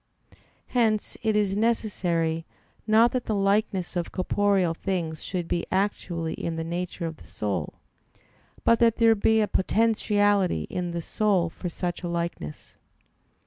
Hence it is necessary, not that the likeness of corporeal things should be actually in the nature of the soul, but that there be a potentiality in the soul for such a likeness.